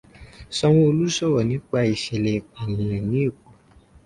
Sanwó-Olú sọrọ nípa ìṣẹ̀lẹ̀ ìpànìyàn ní Èkó.